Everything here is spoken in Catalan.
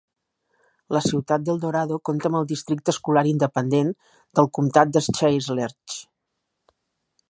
La ciutat d'Eldorado compta amb el districte escolar independent del comtat de Schleicher.